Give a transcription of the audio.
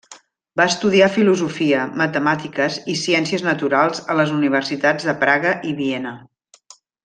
Va estudiar filosofia, matemàtiques i ciències naturals a les universitats de Praga i Viena.